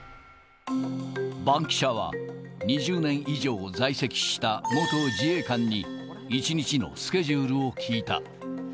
バンキシャは、２０年以上在籍した元自衛官に一日のスケジュールを聞いた。